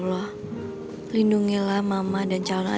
maintenant kita dengar ya